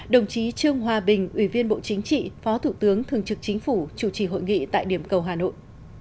đồng chí trương hòa bình ủy viên bộ chính trị phó thủ tướng thường trực chính phủ chủ trì hội nghị tại điểm cầu hà nội